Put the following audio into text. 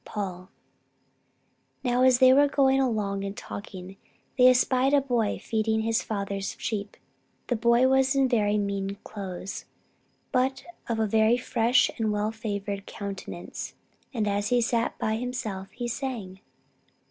Paul. "Now as they were going along and talking, they espied a boy feeding his father's sheep. The boy was in very mean clothes, but of a very fresh and well favoured countenance, and as he sat by himself he sang.